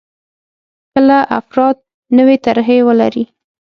کله افراد نوې طرحې ولري.